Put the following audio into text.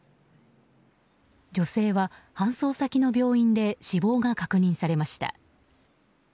女性は搬送先の病院で死亡が確認されました。